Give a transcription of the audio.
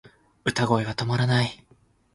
歌声止まらない